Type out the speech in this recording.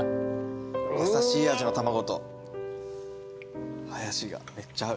優しい味の卵とハヤシがめっちゃ合う。